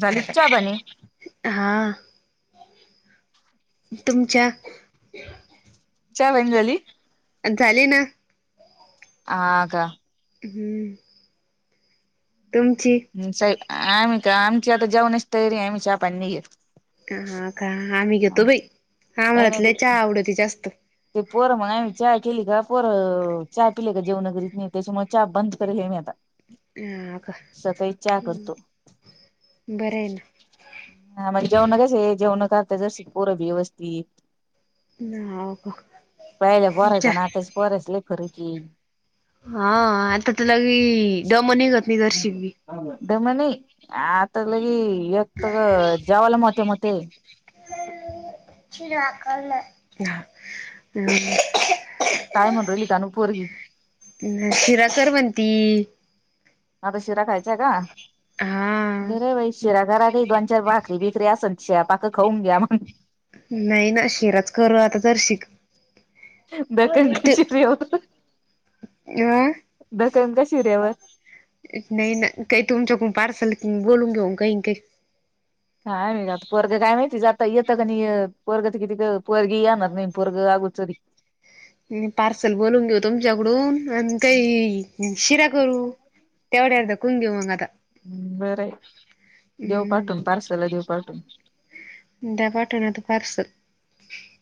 झालपच्या बनी. हा, तुमच्या. चहा पाणी झाली? झाले ना, हा का, हम्म, तुमची? आमचये आम्ही का आमची आता जेवणाची तैयारी आहे आम्ही चहापाणी नाही घेत. हा का, आम्ही घेतो भाई. नाय नाय तिला. आवडती जास्त. ते पोरं मग आम्ही चहा केली का पोरं चहा पिले का जेवनगरी त्याच्यामुळे चहा बंद करेल हे मी आता. हा सकाळी चहा करतो. बरा आहे ना, हा म्हणजे जेवण कसं आहे जेवण करता जशी पोर व्यवस्थित. ना हो का पहिल्या पोराच च ना आताच बरायच लय फरक की, हा आता त्याला दम निघत नाही तर शी ''--'' दमणे आता लगी एकत जेवाला मते मते. शकालं [inaudible] काय म्हण रहि ल कानु पोरगी. शिरा कर म्हनती. आता शिरा खायचाय का हा बरे बाई शिरा घरात दोन चार घास. ते बिकरी असन शीळ पाक खाऊन घ्या मग. नाही ना शेराच करू आता तर शिकत. दकन कशी रेव अ दकन कशी रेवर [unintelligible] नाही ना काही तुमच्याकडून पार्सल बोलून घेऊ खाइन खाइन. हाय म काता परग काय माहिती जातंय येतंय का नाहीय पोरग तर किती पोरग येणार नाही पोरग अगोचरी. हिन पार्सल बोलून घेऊ तुमच्याकडून आणि काही शिरा करू. तेवायार कुंदिऊ मग आता. हा, बरं आहे देऊ पाठून पार्सल देऊ पाठून. ढगा ठेवून आता पार्सल.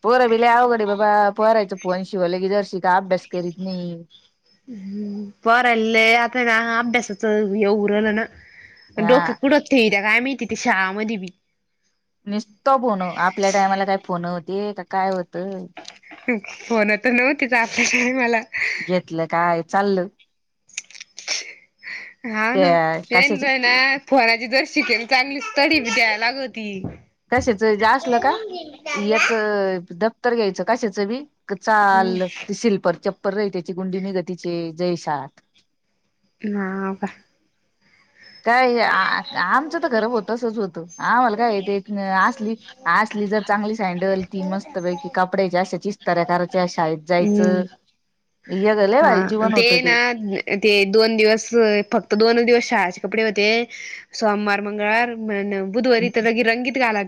पोरा बी अवघडे बाबा पोरायचं फोन शिवालं की जरशी का अभ्यास करीत नाही. पोराले आता ना अभ्यासाच ऊरला ना. हा डोके कुडत ठेव्या काय माहिती तिथे शहामध्ये बी. निसतो फोन आपल्या टायमाला काय फोन होती का काय होतं. फोन तर नव्हती तर आपल्या टायमाला. घेतलं काय चालल. हा ना, हान त्या कशाच येनल नाही आत. फोनाची जर शिकेन चांगलीच तडी द्याय लाग होती. कशाचं जा असलं का याच दफ्तर घ्यायचं कशाचं बी. चाल हम्म त सिल्पर चप्पर रही त्याची गुंडी नि गतीचे जयशात. ना बा काय आमचं तर खरंब होत असच होतं आम्हाला काय येत असली असली जर चांगली सँडल ती मस्त पैकी कपडयाच्या अशा ईस्ताऱ्याकाराच्या शाळेत जायचं. हम्म. यगळ लय भारी हा जीवन होत ना ते ते दोन दिवस फक्त दोन दिवस शाळा कपडे होते. सोमवार, मंगळवार, बुधवारी रगी रंगीत घाला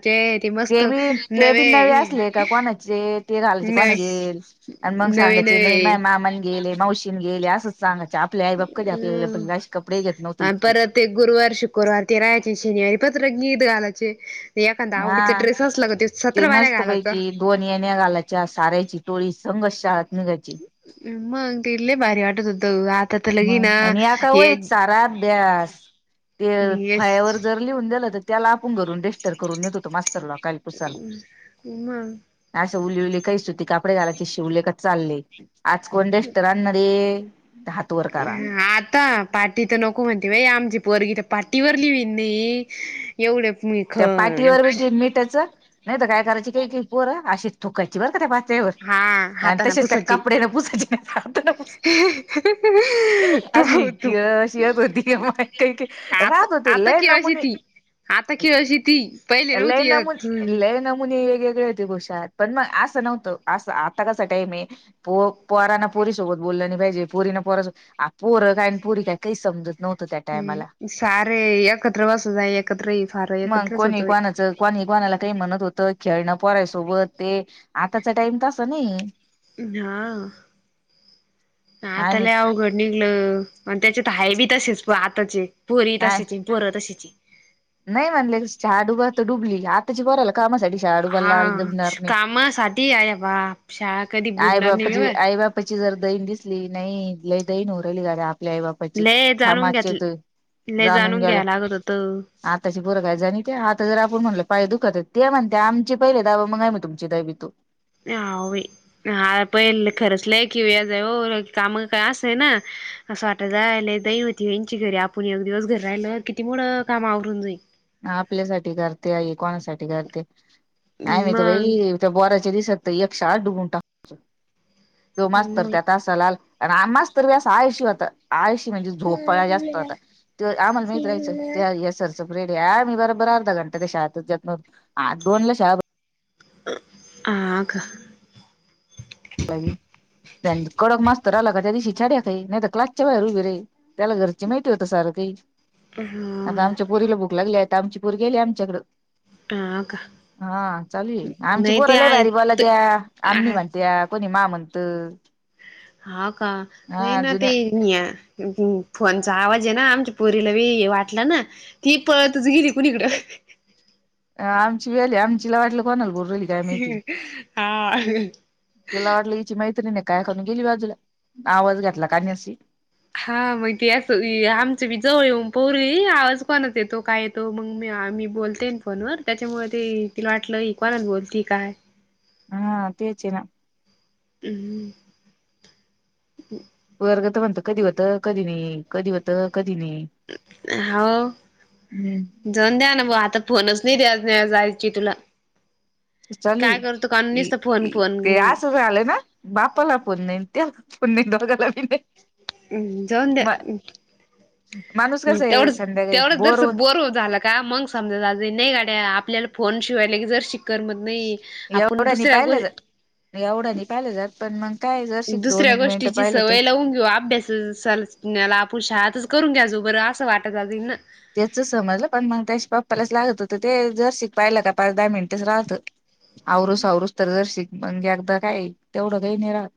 ते बी ते बी नवे असले का कोणाचे ते घालायचे. कोणा नवे गेल आणि मग नवे सांगायचे नाही नवे माझ्या मामांनी गेले मावशीन गेले, असच सांगायचे आपल्या आई बाप कधी आपल्याला अ अे कपडे घेत नव्हते आणि इतके परत ते गुरुवार शुक्रवार ते राहायचे शनिवारी परत रंगीत घालायचे. ते एखादा आवडीचा हा ड्रेस असला कि तो ते सतरा वाऱ्या घालायचा. मस्तपैकी दोन येण्या घालाच्या सारायची टोळी संघच शाळात निघायची, मग ते लय भारी वाटत होत आता तर लगी ना मग या का हे वहीत सारा अभ्यास ते येस फळ्यावर जर लिहून दिलं तर त्याला आपून घरुन डेस्टर करून नेत होत मास्तर ला, हम असं उली उली काहीच सुती कापडे घालायचे शिवले का चालले आज कोण डस्टर आणणार रे.... ह आता पाटी तर नको म्हणते, बाई आमची पोरगी तर पाटीवर लिवीन मी एवढे [unintelligible] त्याच नाही तर काय करायची काही की पोर अशीच, थूकायची बर का, त्या पाट्यावर हा आणि हाताना तसेच त्या पुसाची कपडे न पुसायचेस, हातान पुसायचे, तू अशी तू किळस येत होती, माहित काय? आता राहत होती आता लय खेळशी नमुने, ती आता खेळशी ती पहिले लय नव्हती नमुन येत लय नमुनी वेगवेगळे षात पण मग असं नव्हतं असं आता कसा टाइम आहे. पो पोरानं ना पोरी सोबत बोल नाही पाहिजे, पुरीना पोरानं सोबत आ पोरं काय पोरी काय काही समजत नव्हतं त्या टायमाला. हम्म सारे एकत्र बसायचे एकत्र ये फार मग एकत्रच कोणी होतोय. कोणाचं कोणी कोनाला काही म्हणत होत खेळणं पोरासोबत ते आताचा टाइम तसा नाही. हा आता आम्ही लय आवघड निघल आणि त्याच्यात हाय बी तसेच आताचे पोरी तशाची पोरं तशाची, नाही म्हणले चहा डुबत तर डुबली आ आताच्या पोराला हा कामासाठी अरे बाप शाळा कधी [unintelligible] आई बुडणार नाही बापाची ग आई बापाची जरा दहीन दिसली नाही लय दहीन होऊन राहीली आपल्या आई बाप, ल जाणून घेतल लई जाणून घ्याय लागत होत. आताची पोर काय जानित्यात ते आता जर आपण म्हणलो पाये दुखत ते म्हणते आमची पहिले दाबा मग आम्ही तुमचे दाबीतो, [unintelligible] हा पहि खरचलंय की व या जा हो काम काय असंय ना, असं वाट जाय जाई होती यांची घरी आपण एक दिवस घर राहिलं किती मोडं काम आवरून जाई. आपल्यासाठी करते आई कोणासाठी करते, जाईल आम्ही तर मग बाई, त्या बोऱ्याचे दिसत एक शाळा डुबून टाकाय तो मास्तर त्यात असा. तलाल आणि मास्तर बी आळशी होता. आळशी म्हणजे झोपाळा जास्त होता ते आम्हाला माहित राहायचं त्या सर [unintelligible] आ का कडक मास्तर आला का त्या दिवशी छड्या काही नाही तर क्लासच्या बाहेर उभी राही त्याला घरची माहिती होतं सारं काही आता हा आमच्या पोरीला भूक लागली आता आमची पोरगी आली आमच्याकडें हा का हा चाल आमची नाही ते पोरं लय भारी बोलत्या आम्नी आहेत म्हण त्या कोणी मा म्हणतं हा का नाही ना ते फोनचा आवाज आहे ना आमच्या पोरीला बी वाटलं ना ती पळतच गेली कुणीकडं अ आमची बी आली आमचीला वाटलं कोणाला बोलु राहिली काय माहिती हा तिला वाटलं हिची मैत्रीण नाही काय करून गेली बाजूला आवाज घेतला काणाशी हा मग असं आमची बी जवळ येऊन पोरी आवाज कोणाचा येतो काय येतो तो मग मी आमी बोलते फोनवर त्याच्यामुळे ते तिला वाटलं हि कोणाला बोलती काय हा तेच ना हम् पोरगं तर म्हणतं कधी होतं कधी नाही कधी होतं कधी नाही हाव हम्म जाऊन द्या ना ब आता फोनच नाही द्या जायची तुला चालूय काय करतो कानून इ नुसता फोन इ फोन ते असं झालंय ना बापाला फोन नाही त्याला फोन नाही दोघाला बी नाही म् जाऊन द्या म माणूस कस आहे तेवढच संध्याकाळी तेवढं होत जरासं बोर झाला का मग समजा नाही गाड्या आपल्याला फोन शिवाय लगेच जर शिक. करमत नाही आपण दुसऱ्या ग नाही एवढं नाही पाहिले जात पण मग काय जरशी दोन दुसऱ्या एक मिनिटं गोष्टीची पाहिलं तर सवय लावून घेऊ अभ्यास सल याला आपण शाळेतच करून घ्यायचो बरं असं वाटत असल ना तेच समजलं पण मग त्याच्या पप्पालाच लागत होतं ते जर पाहिलं का पाच दहा मिनिटेच राहतं आवरुस आवरुस तर जर शिक म्हणजे एकदा काय तेवढं घाई नाही राहत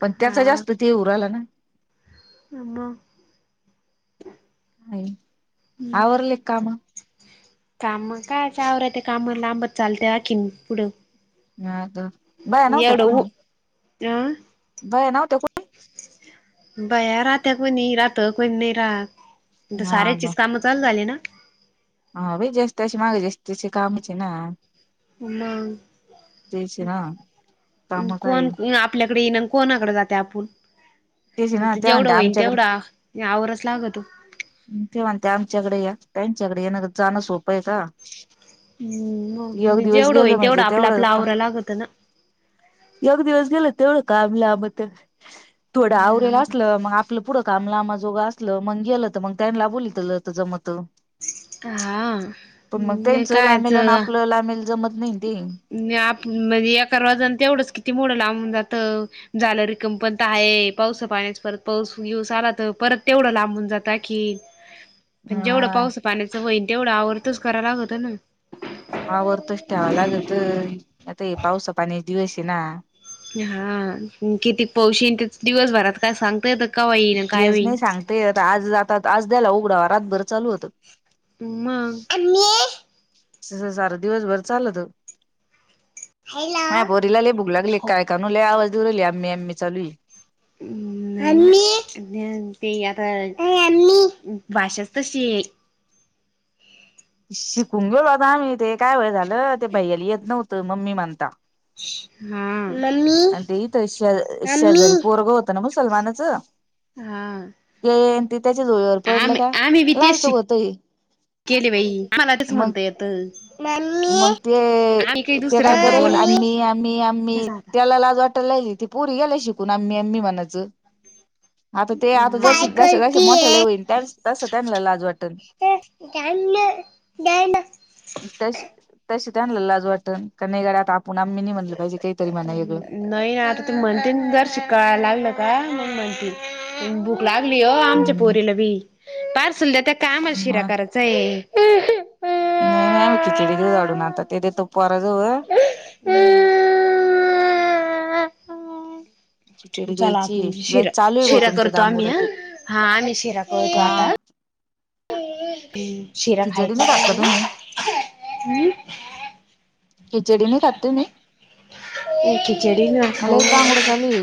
पण त्याचा हा जास्त ते उराला ना मग हा आवरले कामं? कामं काय आता आवरायचं ते कामं लांबच चालत्या आणखीन पुढं ना द एवढं ऊ अं बाया नव्हत्या कुट बया राहत्यात कोणी राहात कोणी नाही राहात इथं कोणी हा का साऱ्याचीच कामं चालू झाली ना? हा बाई ज्याची त्याच्या मागं ज्याची त्याची कामच ना त्याचे मग ना काम काही कोण आपल्याकडे येनान कोणाकडे जाते आपूण त्याचे ना आता ते जेवढं म्हणते होईन आमच्याकडे तेवढा आवरवच लागतो ते म्हणते आमच्याकडे या त्यांच्याकडे येन जाणं सोपं आहे का? हम् एक मग दिवस जेवढं गेलं होईन तेवढं म्हणजे आपलं आपलं आवरा लागतं ना जेव्हडे दिवस केलं तेवढं काम [inaudible] आपण ते. थोडं आवरेल असलं मग आपलं पुढं काम लामाजोगं आस ल मग गेलं तर मग त्यानला बोलतलं जमत. हा पण मग हे त्यांच कायच लामेल आणि आपलं लामेल जमत नाही ते. आप, म्हणजे एका रोजन तेवढंच किती मोडं लाबून जात. झालं रिकम पण तर आहे पावस पाण्याच परत पाऊस बीऊस आला तर परत तेवढं लांबून जात आणकी. पण जेवढं हा पाऊस पाण्याचं होईन तेवढं आवर्तच करावला लागतं ना. आवर्तच ठेवाय लागतय आता हे पावसा पाण्याचे दिवस हे ना. हा, किती क पौस इन दिवसभरात काय सांगतायेत तेच नाही सांगतायेत आज आता आज द्याला उघडावा रातभर चालू होतं. मग. सहज आर दिवसभर चालत, माझ्या पोरीला लई भूक लागलीय काय? तनु लई आवाज देऊ राहिली अम्मी आम्मी चालूय. हम्म. मम्मी. ह ते आता भाषाच तशीय. शिकून गे बाई ते काय व्हय झालं ते भैयाला येत नव्हतं मम्मी म्हणता. [inaudible] हा मम्मी आणि ते इथ श शेजारी पोरग होतं ना मुसलमानाचं. हा ते त त्याच्या जोळीवर पडलं आम्ही का आम्ही बी लहान तेच सुक शिक होत ही. केले बाई मला तेच म्हणता येत. मग ते आम्ही काही ते दुसरे काय शब्द करे बोलत नाही आम्ही आम्ही आम्ही बसा आता. त्याला लाज वाट लय ति पुरी यायला शिकून आम्ही आम्मी म्हणाचं. आता ते आता काय जसे जसे जसे मोठ्याले करतीये? होईन त्या तस त्यांना लाज वाटेल. गणना. जायड. तशी तशी त्यानला लाज वाटण का नाय गड्या आता आपूण आम्ही नि म्हणलं पाहिजे. काहीतरी म्हणा वेगळं हम्म नाही आता तू म्हणते जर शिकायला लागलं का मग म्हणते भूक लागली अ हम्म पोरीला बी पारसल देत्या त्या काय आमाला शिरा हा करायचाय. नाही नाही आम्ही खीचडी देऊ गाडून आता ते देतो पोराजवळ. खिचडी चला द्यायची आपण लय शिरा चालू आहे भाऊ शिरा तुमचं करतो आम्ही दांगोडा ह तो हा आम्ही शिरा करतो हा आता. हम् शीरा खिचडी खायचा नाही खात का ना तुम्ही हम. खिचडी नाही खात तुम्ही खिचडी ना खाऊ ना. चालल.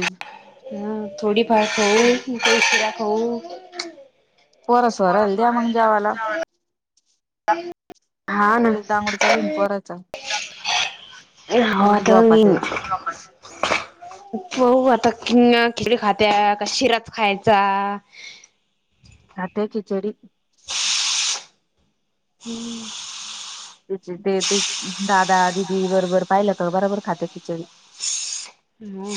थोडीफार खाऊ मग काही शिरा खाऊ. पोरां सोराला द्या मग जेवाला. हा ना. लयच दांगोडा चालू आहे ना पोराचा हा अजून आता झोपात होईन. आहे पाऊ आता किंग खिचडी खात्या का शिराच खायचा. [inaudible] खा ते खिचडी. हम्म [inaudible] ते ती दादा दिदी बरोबर पाहिलं का बराबर खाते खिचडी. हं.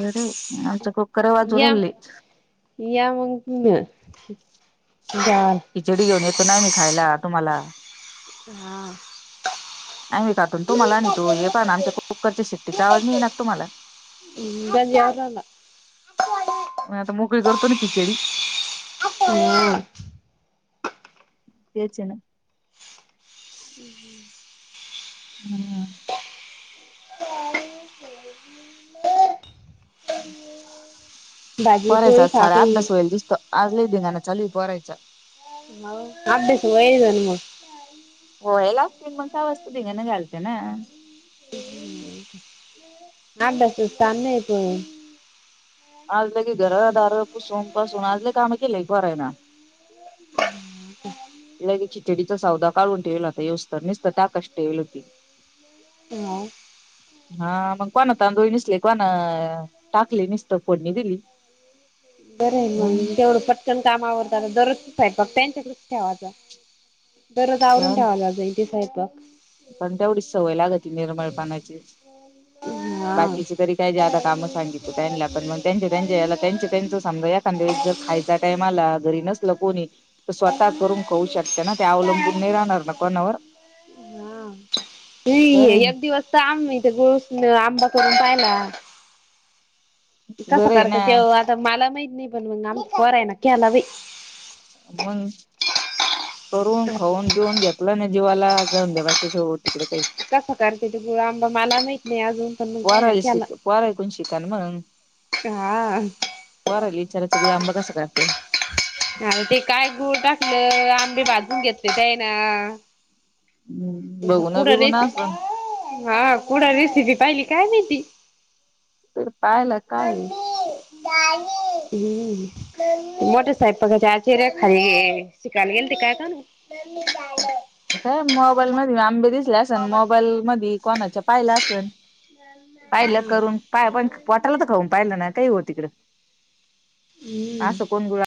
बरी, आमचे कुकर वाजू या रायली. या मग तुम्ही जेवाल. खिचडी घेऊन येतो ना आम्ही खायला तुम्हाला. हां. आम्ही खातो न तुम्हाला आनीतो. हे पहा ना आमच्या कुकरच्या शिट्टीचा आवाज नाहीे येईना का तुम्हाला? अं, गंज यायला. म आता मोकळी करतो ना खिचडी. हं हं तेच ये ना. हं हं. हं. [inaudible] भाजी पोरायचा पोळी आज खा सारा काही अभ्यास होयेल दिसतो. आज लई धिंगाणा चालुये पोरायचा. हो, अभ्यास व्हयल ना म. [inaudible] होयल असतील मग तव्हाच त धिंगाणा घालते ना. अभ्यासाचा ताण नाही पोरायचा. आज लगी घर दार पुसून पासून, आज लई काम केलय पोरायना. लगेच खिचडीचा सौदा काढून ठेवला होता येवस्तर. निसत टाकीची ठेवल होती. हां, हा मग कोणा तांदूळ निसले कोणा टाकले निसत फोडणी दिली. बरना होऊन मग. तेवढंच पटकन काम आवरत. आता दररोजचा स्वयपाक त्यांच्याकडच ठेवाचं. दररोज आवरून जाऊन ठेवाला जा जातील ते सयपाक. पण तेवढीच सवय लागती निर्मळ पणाची. हं. बाकीचे तरी काय ज्यादा कामं सांगित त्यांना? पण मग त्यांच्या त्यांच्या याला त्यांचे त्यांच समजा एखाद्या वेळेस जर खायचा टाइम आला, घरी नसल कोणी तर स्वतः करून खाऊ शकत्या ना. त्या अवलंबून नाही राहणार ना कोणावर. हां. हे ही बरं एक दिवस तर आम्ही त गुळ न आंबा करून पाहिला. कसा बरं आहे करत ना तेव आता मला माहीत नाही. पण म आमच्या पोरायने केला बाई. मग करून खाऊन जेऊन घेतला ना जीवाला. जऊंद्या बाकीचं होवो तिकड काही. कसा करत्या ते गुळआंबा मला माहित नाही अजून. पण मग त्यान पोरायला केला. शिक पोरायकुन शिका न मंग. हा पोरायला इचारायचं, गुळआंबा कसा करत्या? अन ते काय गुळ टाकलं आंबे भाजून घेतले तेयन. म बघून कुड बिघून रेसि, असून हां कुड रेसिपी पाहिली काय माहिती? तर पायला काये? नाही [unintelligible] मोठे स्वयंपाकाचे आश्चर्य खाली शिकायला गेल ते काय का ना. काय मोबाईल मध्ये आंबे दिसले असन मोबाईल मधी कोणाच्या पाहिला असन. पाहिलं करून पाय पण पोटायला तर खाऊन पाहिलं ना काही हो तिकडं. हम्म आस कोण गुळात